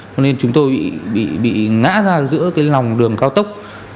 cho nên chúng tôi bị ngã ra giữa cái lòng đường cao tốc